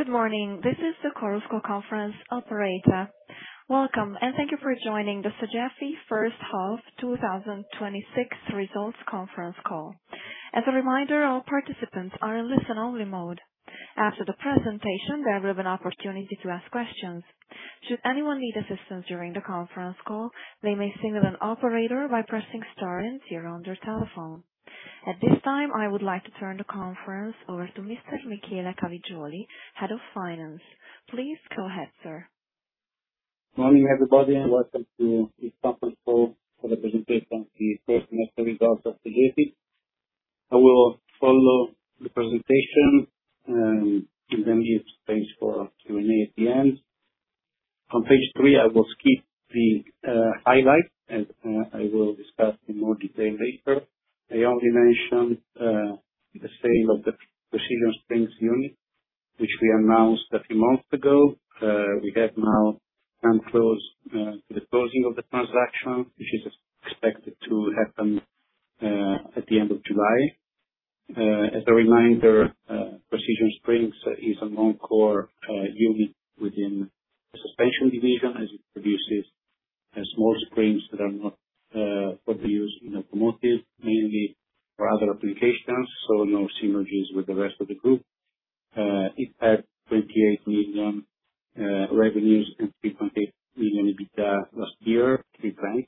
Good morning. This is the Chorus Call conference operator. Welcome, thank you for joining the SOGEFI first half 2026 results conference call. As a reminder, all participants are in listen-only mode. After the presentation, there will be an opportunity to ask questions. Should anyone need assistance during the conference call, they may signal an operator by pressing star and zero on their telephone. At this time, I would like to turn the conference over to Mr. Michele Cavigioli, Head of Finance. Please go ahead, sir. Morning, everybody, welcome to this conference call for the presentation of the first semester results of SOGEFI. I will follow the presentation, then leave space for Q&A at the end. On page three, I will skip the highlights as I will discuss in more detail later. I only mention the sale of the Precision Springs unit, which we announced a few months ago. We have now come close to the closing of the transaction, which is expected to happen at the end of July. As a reminder, Precision Springs is a non-core unit within the suspension division, as it produces small springs that are not for use in locomotives, mainly for other applications, no synergies with the rest of the group. It had 28 million revenues and 3.8 million EBITDA last year, pre-tax.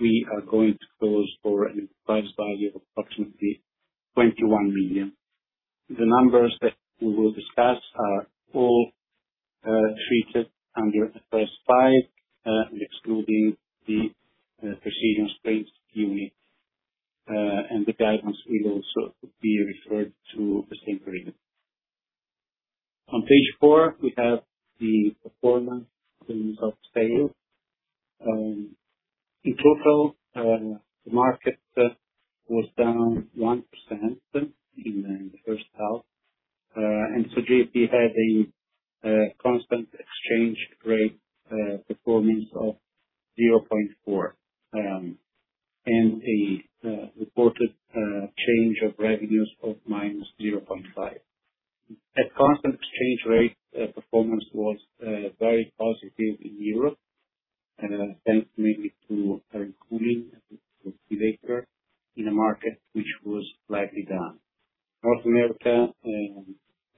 We are going to close for an enterprise value of approximately EUR 21 million. The numbers that we will discuss are all treated under IFRS 5, excluding the Precision Springs unit. The guidance will also be referred to the same period. On page four, we have the performance of sales. In total, the market was down 1% in the first half. SOGEFI had a constant exchange rate performance of 0.4%, a reported change of revenues of -0.5%. At constant exchange rate, performance was very positive in Europe, thanks mainly to our in a market which was slightly down. North America,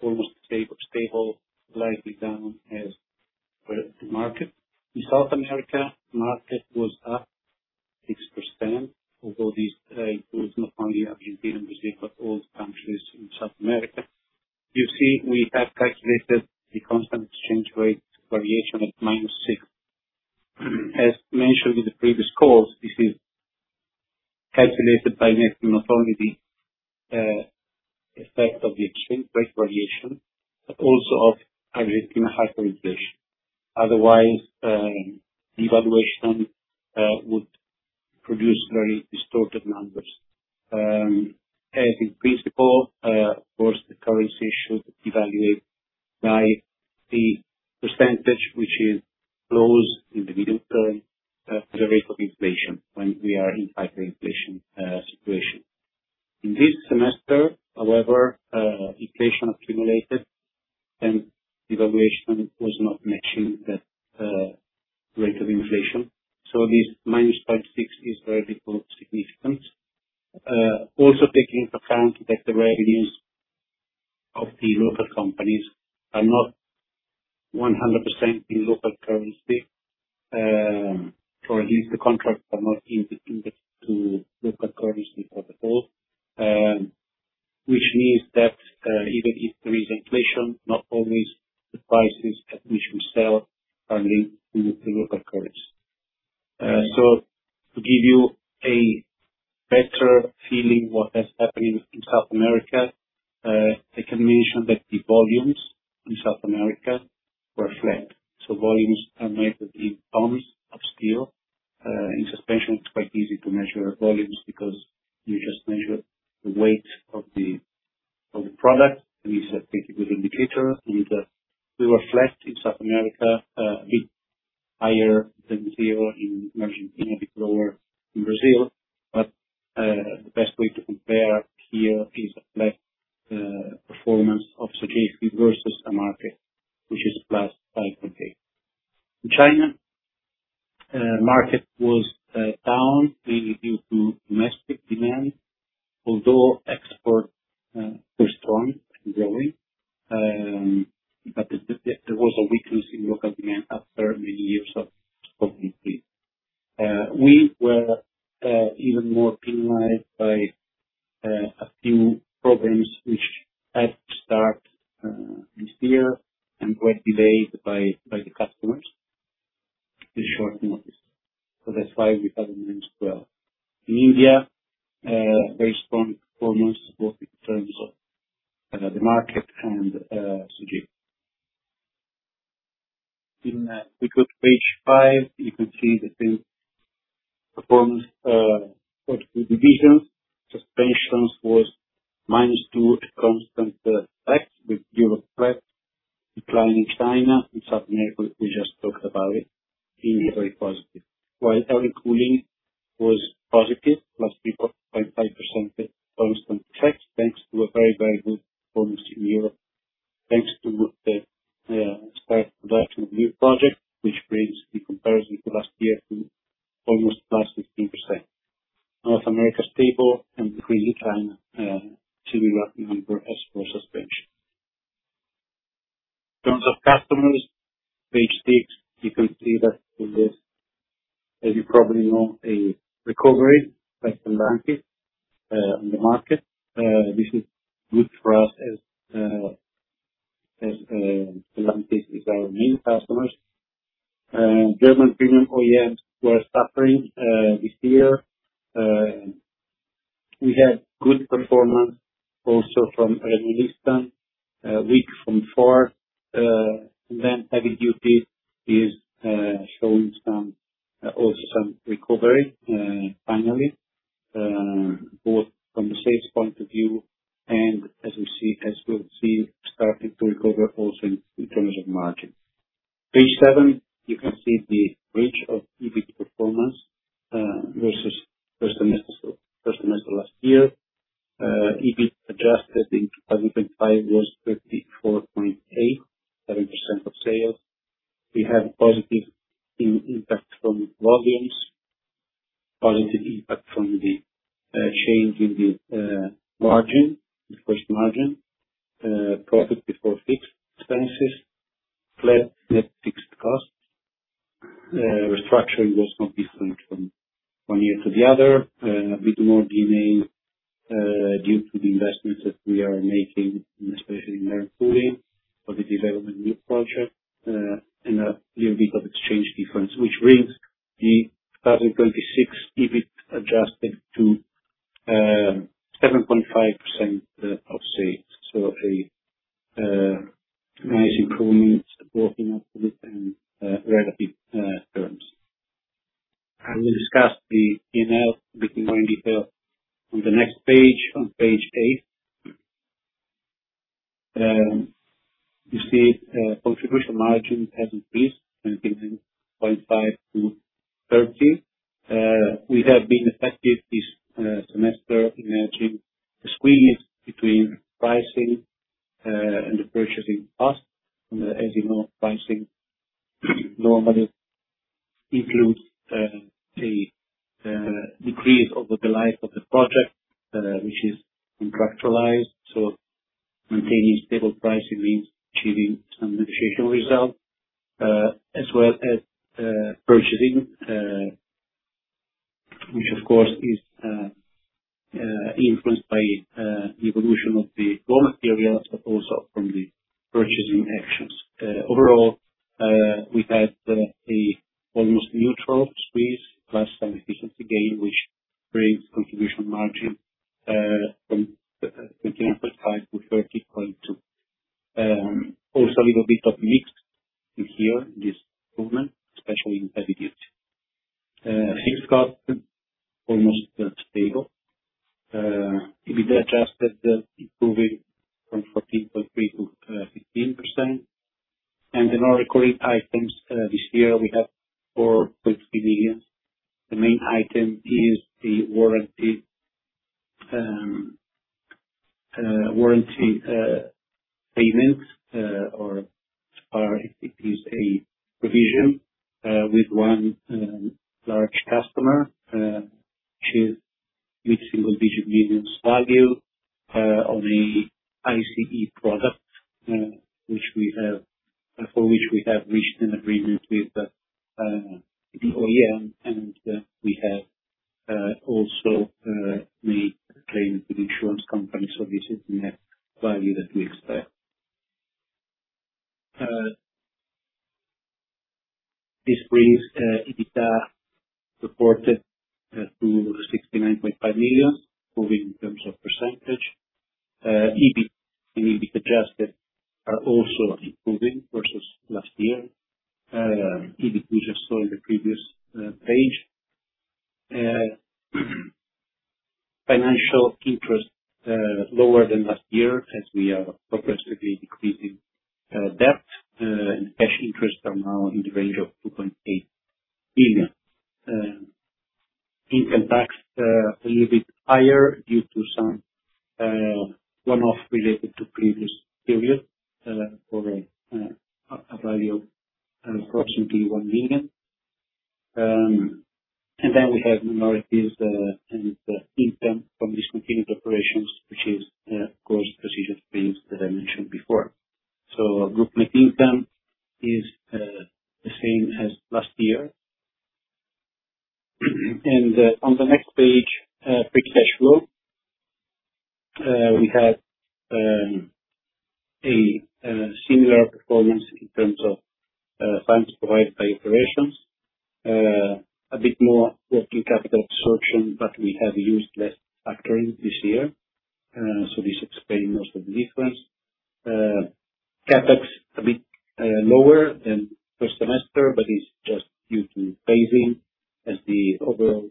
almost stable, slightly down as per the market. In South America, market was up 6%, although this was not only Argentina and Brazil, but all the countries in South America. You see, we have calculated the constant exchange rate variation of -6%. As mentioned in the previous calls, this is calculated by netting not only the effect of the exchange rate variation, but also of Argentine hyperinflation. Otherwise, devaluation would produce very distorted numbers. As in principle, of course, the currency should devaluate by the percentage which is close in the medium term to the rate of inflation when we are in hyperinflation situation. In this semester, however, inflation accumulated and devaluation was not matching that rate of inflation. This -5.6% is very significant. Also taking into account that the revenues of the local companies are not 100% in local currency. Sorry, the contracts are not indexed to local currency at all, which means that even if there is inflation, not always the prices at which we sell are linked to the local currency. To give you a better feeling what has happened in South America, I can mention that the volumes in South America were flat. Volumes are measured in tons of steel. In suspension, it is quite easy to measure volumes because you just measure the weight of the product, and it is a pretty good indicator. We were flat in South America, a bit higher than zero in Argentina, a bit lower in Brazil. The best way to compare here is a flat performance of SOGEFI versus the market, which is +5.8%. In China, market was down mainly due to domestic demand, although export were strong and growing. There was a weakness in local demand after many years of increase. We were even more penalized by a few programs which had to start this year and were delayed by page five, you can see the sales performance for the divisions. Suspensions was -2% at constant effect, with Europe flat. Decline in China and South America, we just talked about it. India, very positive. While Air & Cooling was positive, +3.5% at constant FX, thanks to a very good performance in Europe. Thanks to the start of production of new project, which brings the comparison to last year to almost +15%. North America, stable and decrease in China to be recognized for suspension. In terms of customers, page six, you can see that there is, as you probably know, a recovery by Stellantis in the market. This is good for us as Stellantis is our main customer. German premium OEMs were suffering this year. We had good performance also from Renault Nissan, weak from Ford. Heavy duty is showing also some recovery, finally, both from a sales point of view and, as we will see, starting to recover also in terms of margin. Page seven, you can see the bridge of EBIT performance, versus first semester last year. EBIT adjusted in 2025 was 34.8 million, 7% of sales. We have positive impact from volumes, positive impact from the change in the margin, gross margin, profit before fixed expenses, flat net fixed costs. Restructuring was not different from one year to the other. A bit more D&A due to the investments that we are making, especially in Air & Cooling, for the development of new projects, and a little bit of exchange difference, which brings the 2026 EBIT adjusted to 7.5% of sales. A nice improvement both in absolute and relative terms. I will discuss the P&L a bit more in detail on the next page, on page eight. You see contribution margin has increased from 19.5%-30%. We have been effective this semester in managing the squeeze between pricing and the purchasing costs. As you know, pricing normally includes a decrease over the life of the project, which is contractualized. Maintaining stable pricing means achieving some negotiation results, as well as purchasing, which, of course, is influenced by the evolution of the raw materials, but also from the purchasing actions. Overall, we had an almost neutral squeeze, plus some efficiency gain, which brings contribution margin from 19.5%-30.2%. Also, a little bit of mix in here, in this improvement, especially in heavy duty. Sales cost, almost stable. EBIT adjusted improving from 14.3%-15%. The non-recurring items this year, we have EUR 4.3 million. The main item is the warranty payments or it is a revision with one large customer, which is mid-single digit millions value of the ICE product, for which we have reached an agreement with the OEM, and we have also made claims with insurance companies for this net value that we expect. This brings EBITDA reported to 69.5 million, improving in terms of percentage. EBIT and EBIT adjusted are also improving versus last year. EBIT, we just saw in the previous page. Financial interest, lower than last year, as we are progressively decreasing debt, and cash interest are now in the range of 2.8 million. Income tax, a little bit higher due to some one-off related to previous period for a value of approximately 1 million. Then we have minorities and the income from discontinued operations, which is, of course, Precision Springs that I mentioned before. Group net income is the same as last year. On the next page, free cash flow. We have a similar performance in terms of funds provided by operations. A bit more working capital absorption, but we have used less factoring this year. This explains most of the difference. CapEx, a bit lower than first semester, but it's just due to phasing as the overall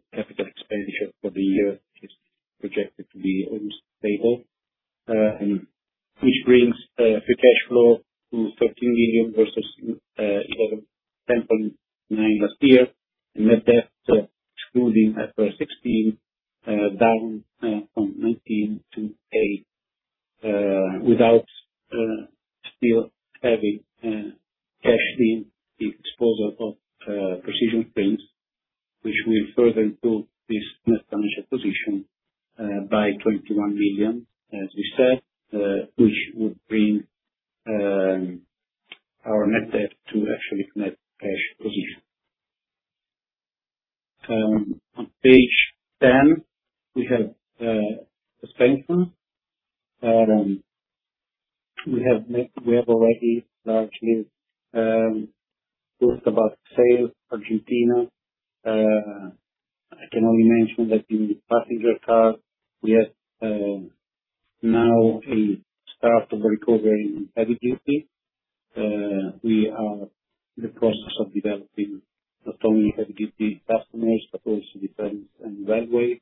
capital expenditure for the year is projected to be stable, which brings free cash flow to EUR 13 million versus EUR 11.9 last year. Net debt excluding IFRS 16, down from 19-8, without still having cashed in the exposure of Precision Springs, which will further improve this net financial position by EUR 21 million, as we said, which would bring our net debt to actually net cash position. On page 10, we have suspension. We have already largely talked about sales, Argentina. I can only mention that in passenger cars, we are now in start of the recovery in heavy duty. We are in the process of developing not only heavy duty customers, but also defense and railway.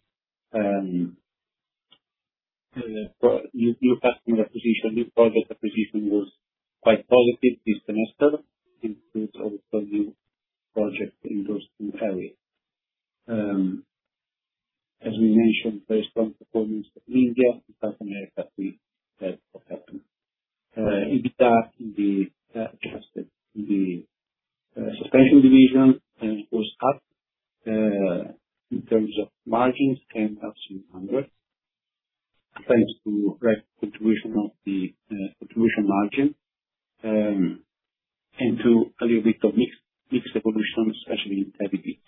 New customer acquisition, new project acquisition was quite positive this semester, includes also new projects in those two areas. As we mentioned, based on performance of India and South America, we have what happened. EBITDA in the suspension division was up in terms of margins, came up in basis points, thanks to great contribution of the contribution margin, and to a little bit of mix evolution, especially in heavy duty.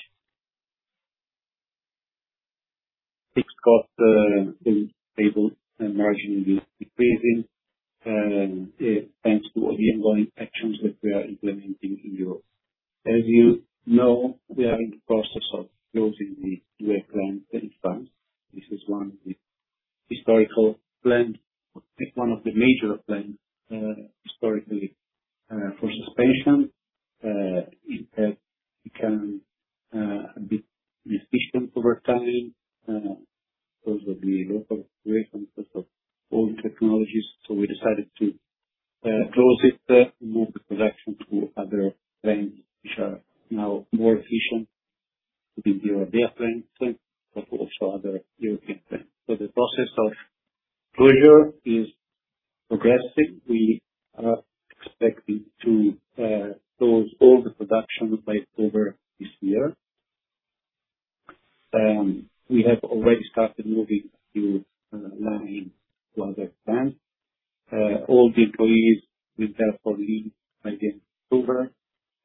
Fixed cost is stable, and margin is decreasing, thanks to all the ongoing actions that we are implementing in Europe. As you know, we are in the process of closing the Douai plant in France. This is one of the major plants historically for suspension. It has become a bit inefficient over time because of the local creation, because of old technologies. We decided to close it, move the production to other plants which are now more efficient, could be plants, but also other European plants. The process of closure is progressing. We are expecting to close all the production by October this year. We have already started moving to aligning to other plants. All the employees will therefore leave by the end of October,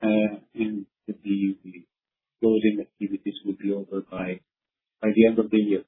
and the closing activities will be over by the end of the year.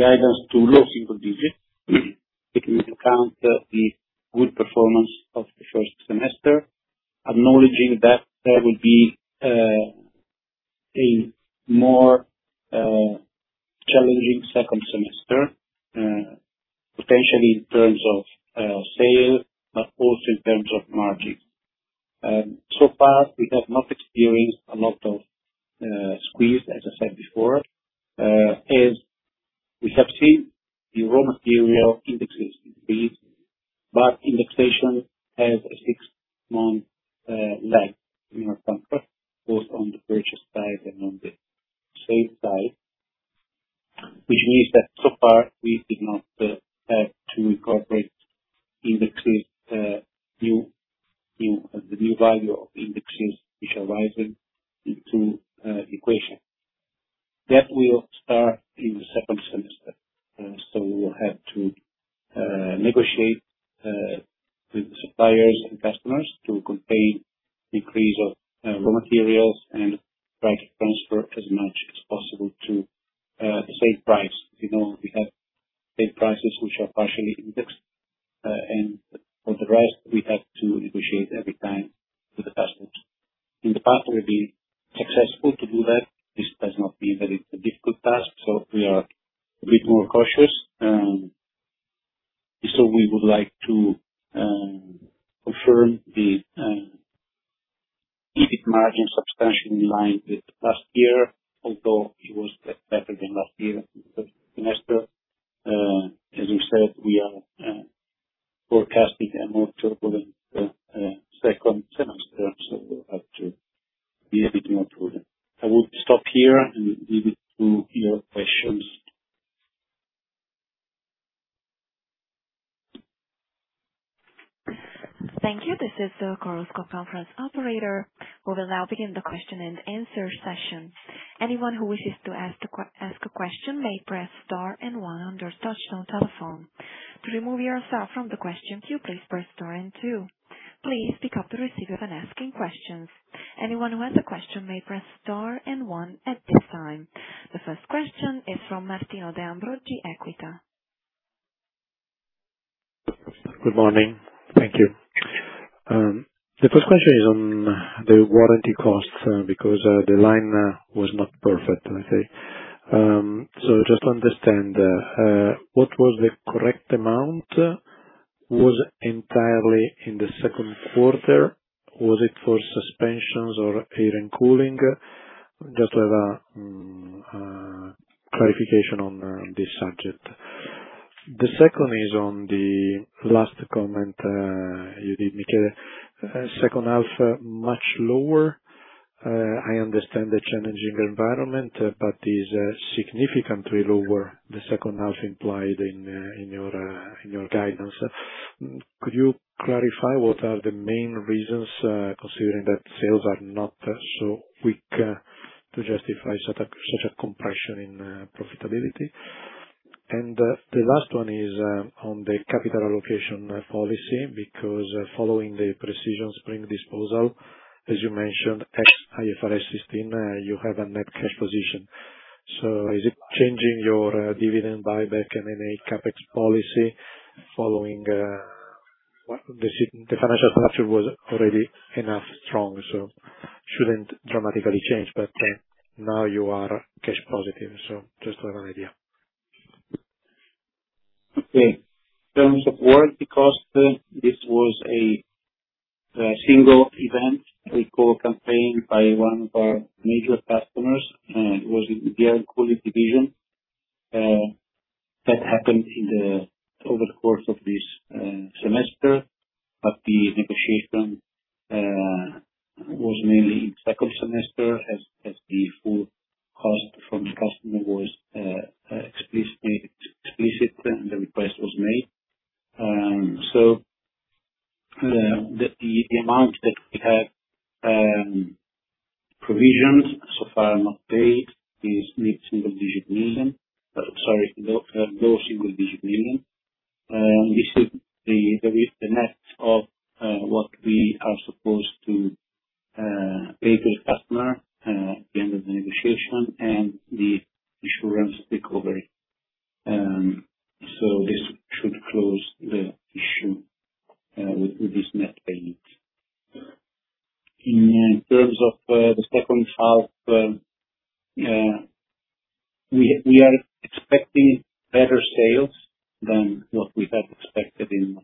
guidance to low single digits taking into account the good performance of the first semester, acknowledging that there will be a more challenging second semester, potentially in terms of sales, but also in terms of margins. So far, we have not experienced a lot of squeeze, as I said before, as we have seen the raw material indexes increase, but indexation has a six-month lag, both on the purchase side and on the sales side. Which means that so far, we did not have to incorporate the new value of indexes which are rising into equation. That will start in the second semester. We will have to negotiate with the suppliers and customers to contain increase of raw materials and try to transfer as much as possible to the same price. We have paid prices which are partially indexed, and for the rest, we have to negotiate every time with the customer. In the past, we've been successful to do that. This has not been a very difficult task, so we are a bit more cautious. We would like to confirm the EBIT margin substantially in line with last year, although it was better than last year semester. As we said, we are forecasting a more turbulent second semester, so we'll have to be a bit more prudent. I will stop here and leave it to your questions. Thank you. This is the Chorus Call conference operator. We will now begin the question-and-answer session. Anyone who wishes to ask a question may press star and one on their touchtone telephone. To remove yourself from the question queue, please press star and two. Please pick up the receiver when asking questions. Anyone who has a question may press star and one at this time. The first question is from Martino De Ambroggi, Equita. Good morning. Thank you. The first question is on the warranty costs, because the line was not perfect, I'd say. Just to understand, what was the correct amount? Was it entirely in the second quarter? Was it for suspensions or Air & Cooling? Just to have a clarification on this subject. The second is on the last comment you did, Michele. I understand the challenging environment, is significantly lower the second half implied in your guidance. Could you clarify what are the main reasons, considering that sales are not so weak to justify such a compression in profitability? The last one is on the capital allocation policy, because following the Precision Springs disposal, as you mentioned, ex IFRS 16, you have a net cash position. Is it changing your dividend buyback and any CapEx policy following the financial structure was already enough strong, shouldn't dramatically change. Now you are cash positive, just to have an idea. Okay. In terms of work, because this was a single event recall campaign by one of our major customers, and it was in the Air & Cooling division. That happened over the course of this semester, the negotiation was mainly in second semester, as the full cost from the customer was explicit, the request was made. The amount that we have provisions so far not paid is mid-single digit million. Sorry, low single digit million. This is the net of what we are supposed to pay to the customer at the end of the negotiation and the insurance recovery. This should close the issue with this net payment. In terms of the second half, we are expecting better sales than what we have expected in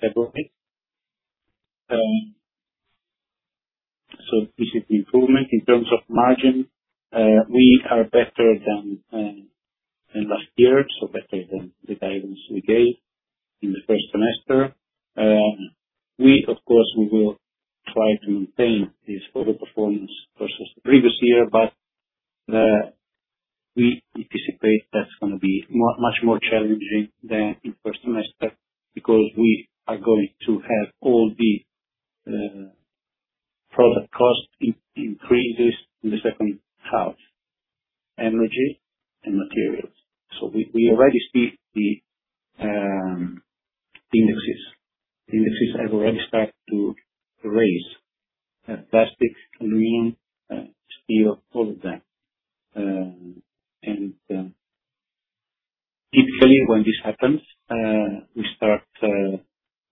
February. This is the improvement. In terms of margin, we are better than last year, better than the guidance we gave in the first semester. We will try to maintain this over performance versus the previous year, we anticipate that's going to be much more challenging than in first semester, because we are going to have all the product cost increases in the second half, energy and materials. We already see the indexes. Indexes have already started to raise. Plastics, aluminum, steel, all of that. Usually, when this happens, we start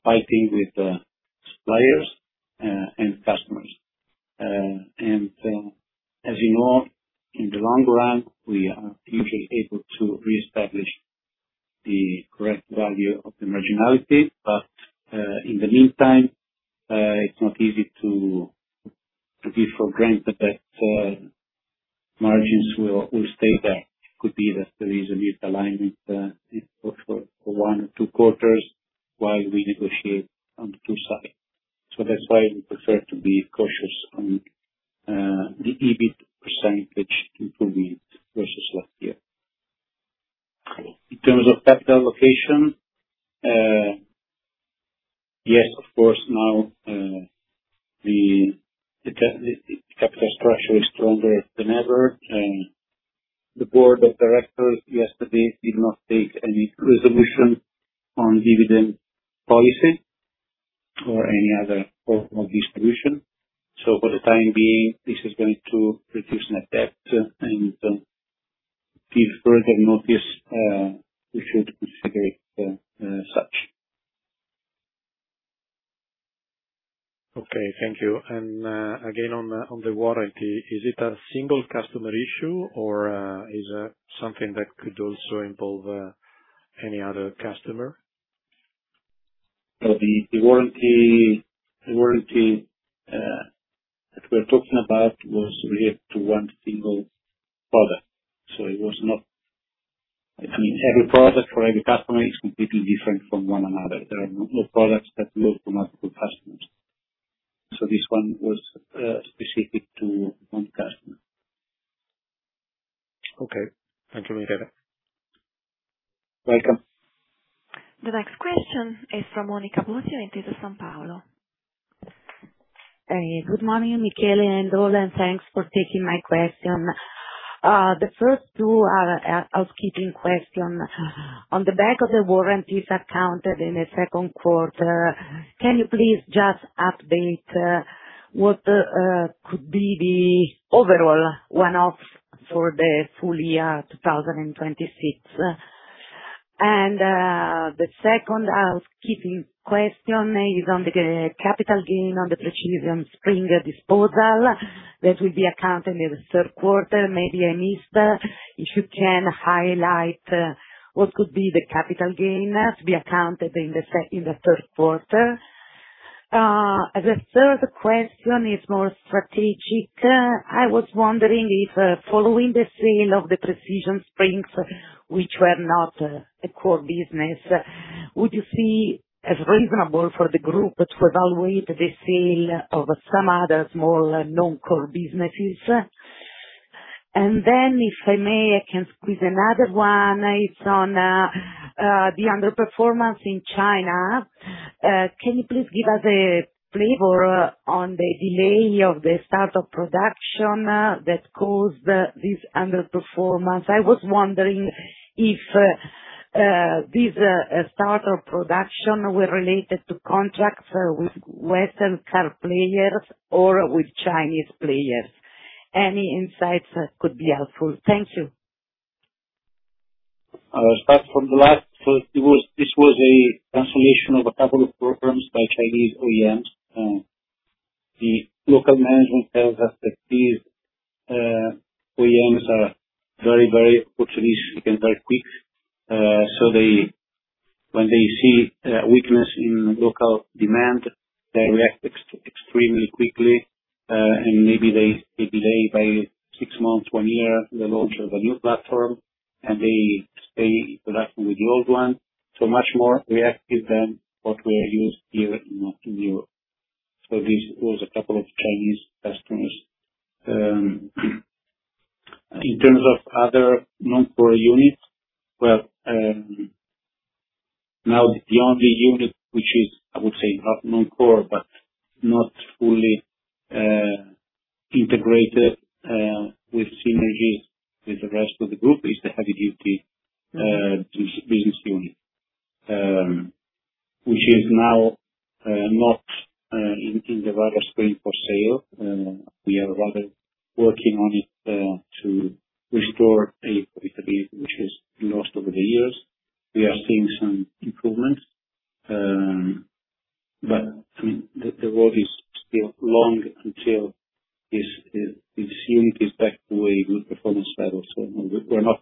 fighting with suppliers and customers. As you know, in the long run, we are usually able to reestablish the correct value of the marginality. In the meantime, it's not easy to give for granted that margins will stay there. It could be that the reason is alignment for one or two quarters while we negotiate on the two sides. That's why we prefer to be cautious on the EBIT percentage improvement versus last year. In terms of capital allocation, yes, of course, now the capital structure is stronger than ever. The board of directors yesterday did not take any resolution on dividend policy or any other form of distribution. For the time being, this is going to reduce net debt and give further notice, we should consider it such. Okay, thank you. Again, on the warranty, is it a single customer issue or is it something that could also involve any other customer? The warranty that we're talking about was related to one single product. Every product for every customer is completely different from one another. There are no products that move from multiple customers. This one was specific to one customer. Okay. Thank you, Michele. Welcome. The next question is from Monica Bosio in Intesa Sanpaolo. Good morning, Michele and all, thanks for taking my question. The first two are housekeeping questions. On the back of the warranties accounted in the second quarter, can you please just update what could be the overall one-off for the full year 2026? The second housekeeping question is on the capital gain on the Precision Springs disposal that will be accounted in the third quarter, maybe in Easter. If you can highlight what could be the capital gain to be accounted in the third quarter. The third question is more strategic. I was wondering if, following the sale of the Precision Springs, which were not a core business, would you see as reasonable for the group to evaluate the sale of some other small non-core businesses? If I may, I can squeeze another one. It's on the underperformance in China. Can you please give us a flavor on the delay of the start of production that caused this underperformance? I was wondering if this start of production were related to contracts with Western car players or with Chinese players. Any insights could be helpful. Thank you. Start from the last. This was a cancellation of a couple of programs by Chinese OEMs. The local management tells us that these OEMs are very opportunistic and very quick. When they see a weakness in local demand, they react extremely quickly, and maybe they delay by six months, one year, the launch of a new platform, and they stay with the old one. Much more reactive than what we are used here in Europe. This was a couple of Chinese customers. In terms of other non-core units, well, now the only unit which is, I would say, not non-core, but not fully integrated with synergies with the rest of the group is the heavy duty business unit, which is now not in the radar screen for sale. We are rather working on it to restore a profitability which is lost over the years. We are seeing some improvements, but the road is still long until this unit is back to a good performance level. We're not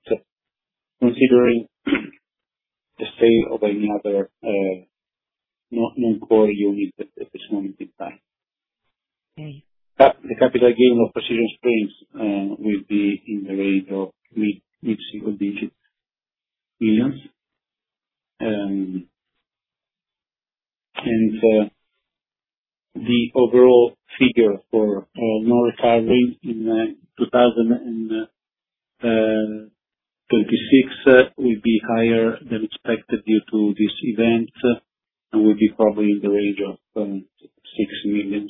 considering the sale of any other non-core unit at this moment in time. Okay. The capital gain of Precision Springs will be in the range of mid-single digit millions. The overall figure for non-recurring in 2026 will be higher than expected due to this event, and will be probably in the range of 6 million.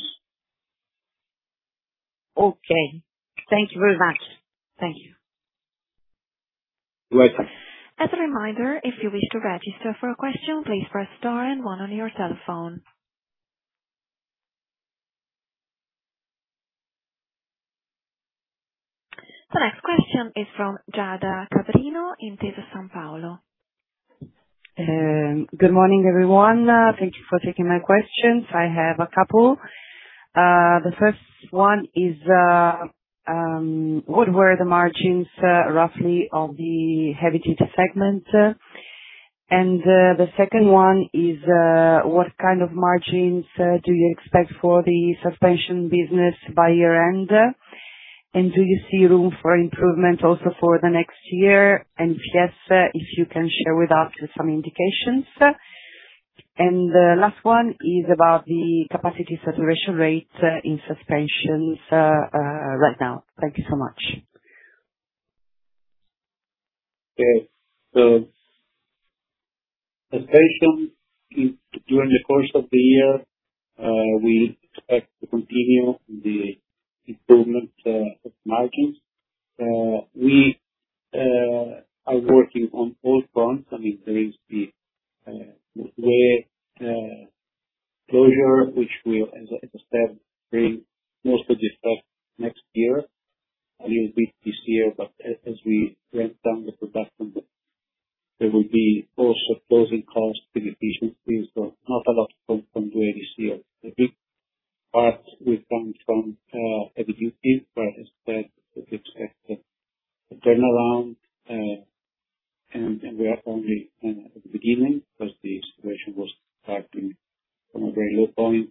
Okay. Thank you very much. Thank you. You're welcome. As a reminder, if you wish to register for a question, please press star and one on your telephone. The next question is from Giada Cabrino in Intesa Sanpaolo. Good morning, everyone. Thank you for taking my questions. I have a couple. The first one is, what were the margins, roughly, of the heavy duty segment? The second one is, what kind of margins do you expect for the suspension business by year-end? Do you see room for improvement also for the next year? If yes, if you can share with us some indications. Last one is about the capacity saturation rates in suspensions right now. Thank you so much. Suspensions, during the course of the year, we expect to continue the improvement of margins. We are working on both fronts. There is the closure, which will, as I understand, bring most of this back next year. A little bit this year, but as we ramp down the production, there will be also closing costs and efficiency. Not a lot to come from this year. The big parts will come from heavy duty, where as I said, we expect a turnaround, and we are only in the beginning because the situation was starting from a very low point.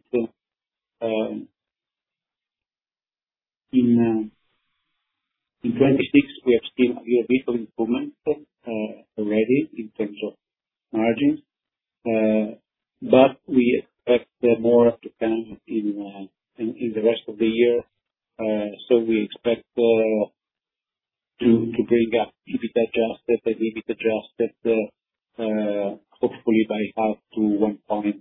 In 2026, we have seen a bit of improvement already in terms of margins, but we expect more to come in the rest of the year. We expect to bring up EBIT adjusted, hopefully by half to one point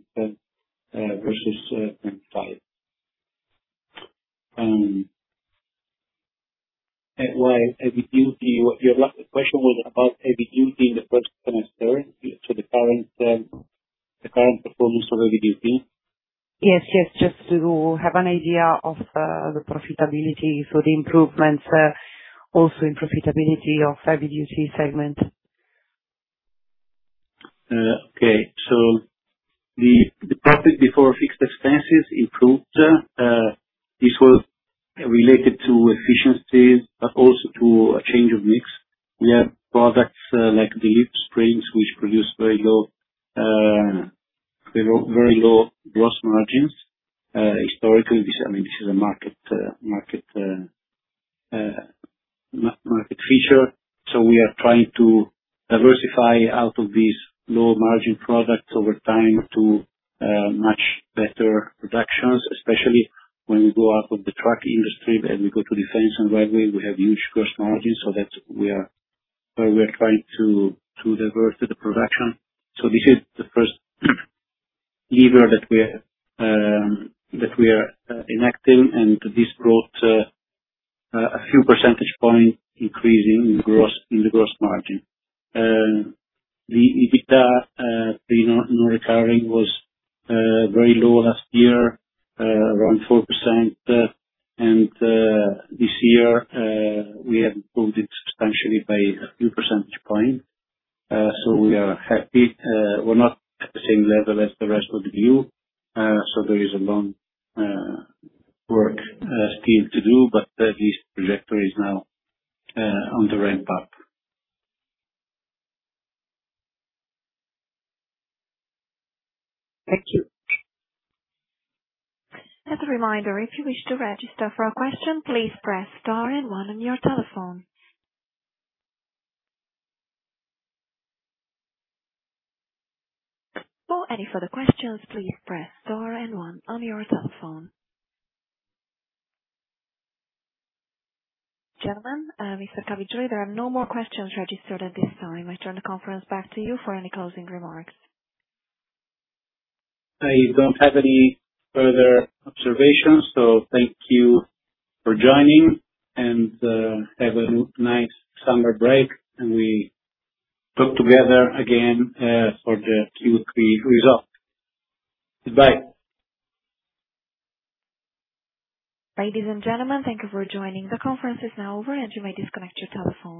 versus 2025. Your last question was about heavy duty in the first semester. The current performance of heavy duty? Yes. Just to have an idea of the profitability for the improvements, also in profitability of heavy duty segment. Okay. The profit before fixed expenses improved. This was related to efficiencies, but also to a change of mix. We have products like the leaf springs, which produce very low gross margins. Historically, this is a market feature. We are trying to diversify out of these low-margin products over time to much better productions, especially when we go out of the truck industry and we go to defense and railway, we have huge gross margins. That's where we're trying to divert the production. This is the first lever that we are enacting, and this brought a few percentage points increase in the gross margin. The EBITDA, the non-recurring, was very low last year, around 4%, and this year we have improved it substantially by a few percentage points. We are happy. We're not at the same level as the rest of the view. There is a long work still to do, but at least the trajectory is now on the ramp up. Thank you. As a reminder, if you wish to register for a question, please press star and one on your telephone. For any further questions, please press star and one on your telephone. Gentlemen, Mr. Cavigioli, there are no more questions registered at this time. I turn the conference back to you for any closing remarks. I don't have any further observations, so thank you for joining, and have a nice summer break, and we talk together again for the Q3 results. Goodbye. Ladies and gentlemen, thank you for joining. The conference is now over, and you may disconnect your telephones.